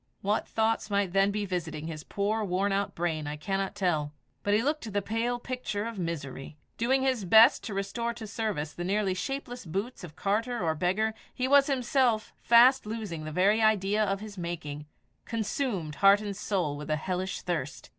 What thoughts might then be visiting his poor worn out brain I cannot tell; but he looked the pale picture of misery. Doing his best to restore to service the nearly shapeless boots of carter or beggar, he was himself fast losing the very idea of his making, consumed heart and soul with a hellish thirst.